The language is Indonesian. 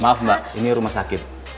maaf mbak ini rumah sakit